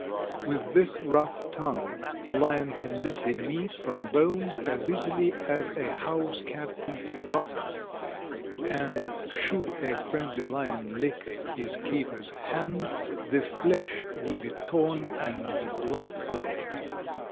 With this rough tongue the Lion can lick the meat from bones as easily as a house cat eats butter, and should a friendly Lion lick his keeper's hand the flesh would be torn and the blood flow.